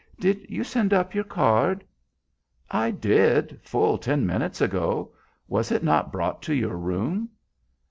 Did you send up your card?" "I did; full ten minutes ago. Was it not brought to your room?"